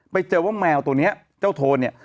ไปเจอว่าแมวตัวนี้เจ้าโทนเนี่ย